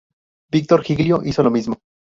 Víctor Giglio hizo lo mismo.